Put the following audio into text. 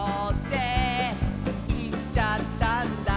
「いっちゃったんだ」